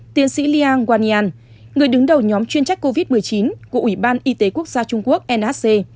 tiến sĩ liang wanyan người đứng đầu nhóm chuyên trách covid một mươi chín của ủy ban y tế quốc gia trung quốc nhc